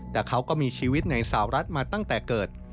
แต่เขาก็มีชีวิตในสาวรัฐมาตั้งแต่เกิด